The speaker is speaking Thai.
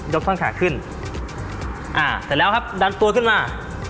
กท่อนขาขึ้นอ่าเสร็จแล้วครับดันตัวขึ้นมา